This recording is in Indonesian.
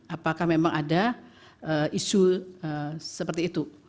apakah memang ada isu seperti itu